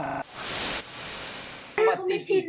แม่เค้าไม่ชินนะ